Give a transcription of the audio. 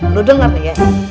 lu denger nih ya